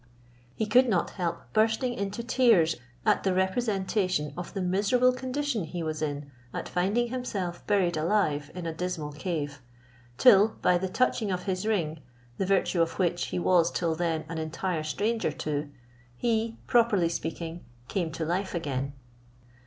He could not help bursting into tears at the representation of the miserable condition he was in, at finding himself buried alive in a dismal cave, till by the touching of his ring, the virtue of which he was till then an entire stranger to, he, properly speaking, came to life again.